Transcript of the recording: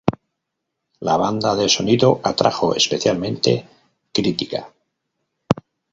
La banda de sonido atrajo especialmente crítica.